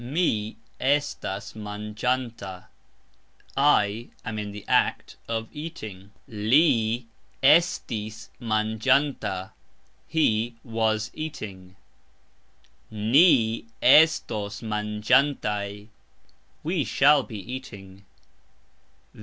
Mi estas mangxanta .......... I am (in the act of) eating. Li estis mangxanta .......... He was eating. Ni estos mangxantaj ......... We shall be eating.